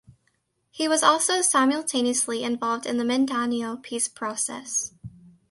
He was also simultaneously involved in the Mindanao peace process.